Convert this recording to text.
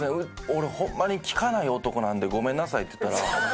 俺ホンマに聴かない男なんでごめんなさいって言ったらはい。